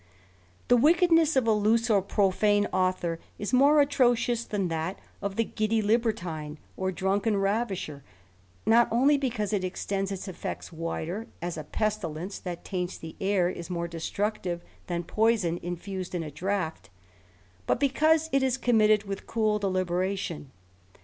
The wickedness of a loose or profane author is more atrocious than that of the giddy libertine, or drunken ravisher, not only because it extends its effects wider, as a pestilence that taints the air is more destructive than poison infused in a draught, but because it is committed with cool deliberation.